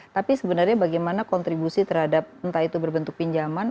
tapi sebenarnya bagaimana kontribusi terhadap entah itu berbentuk pinjaman